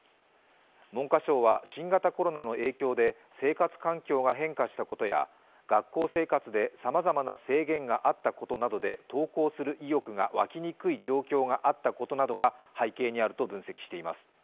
文部科学省は新型コロナの影響で生活環境が変化したことや学校生活でさまざまな制限があったことなどで登校する意欲がわきにくい状況が背景にあると分析しています。